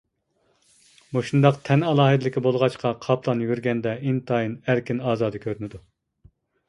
مۇشۇنداق تەن ئالاھىدىلىكى بولغاچقا قاپلان يۈگۈرگەندە ئىنتايىن ئەركىن-ئازادە كۆرۈنىدۇ.